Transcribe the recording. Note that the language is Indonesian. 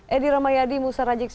edi ramayadi musa rajeksah